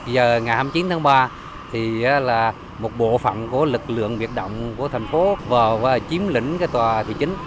một mươi một giờ ngày hai mươi chín tháng ba thì là một bộ phận của lực lượng biệt động của thành phố vào chiếm lĩnh cái tòa thị chính